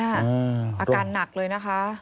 อาการหนักเลยนะคะ